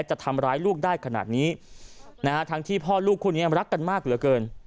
จะทำร้ายลูกได้ขนาดนี้นะฮะทั้งที่พ่อลูกคู่นี้รักกันมากเหลือเกิน